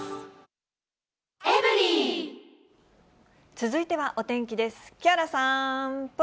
続いてはお天気です。